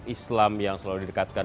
islam yang selalu didekatkan